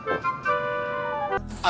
senggak nanti gue mau